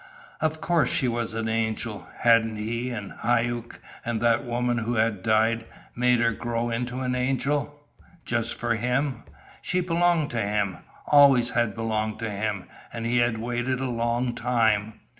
Of course she was an angel! Hadn't he, and Hauck, and that woman who had died, made her grow into an angel just for him? She belonged to him. Always had belonged to him, and he had waited a long time.